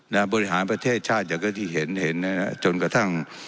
และบริหารประเทศชาติก็ได้เห็นจนกระทั่ง